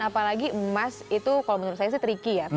apalagi emas itu kalau menurut saya sih tricky ya